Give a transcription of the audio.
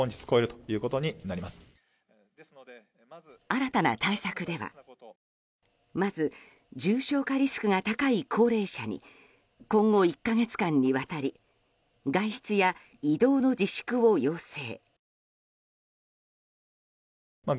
新たな対策ではまず重症化リスクが高い高齢者に今後１か月間にわたり外出や移動の自粛を要請。